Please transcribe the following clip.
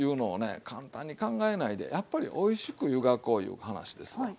簡単に考えないでやっぱりおいしく湯がこういう話ですわ。